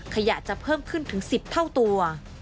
ขยะจะเพิ่มขึ้นถึง๑๐เท่าตัว